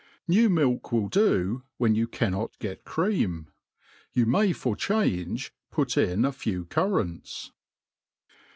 Ne\r iniHc will do, when you cannot get cx'eam« You may jfqf change put in a few currants.